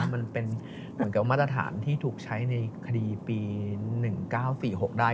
มันเป็นเหมือนกับมาตรฐานที่ถูกใช้ในคดีปี๑๙๔๖ได้